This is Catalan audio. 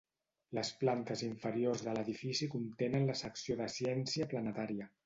Les plantes inferiors de l'edifici contenen la secció de ciència planetària.